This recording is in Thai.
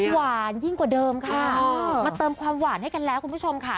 หวานยิ่งกว่าเดิมค่ะมาเติมความหวานให้กันแล้วคุณผู้ชมค่ะ